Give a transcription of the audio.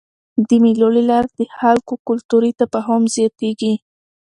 د مېلو له لاري د خلکو کلتوري تفاهم زیاتېږي.